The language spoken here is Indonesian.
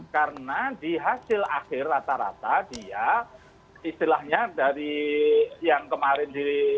karena di hasil akhir rata rata dia istilahnya dari yang kemarin